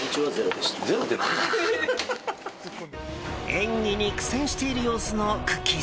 演技に苦戦している様子のくっきー！